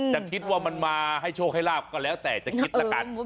จะคิดว่ามันมาให้โชคให้ลาบก็แล้วแต่จะคิดแล้วกัน